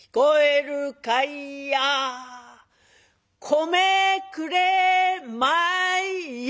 「米くれまいや！」。